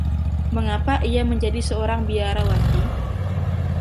Mengapa ia menjadi seorang biarawati?